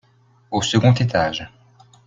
Au second étage.